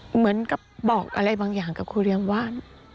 เหมือนกับบอกอะไรบางอย่างกับครูเรียมว่า